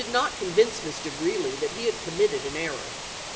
not convince Mr. Greeley that he had committed an error.